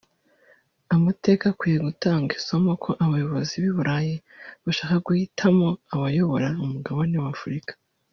Amateka akwiye gutanga isomo ko abayobozi b’i Burayi bashaka guhitamo abayobora umugabane wa Afurika